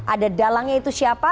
ada dalangnya itu siapa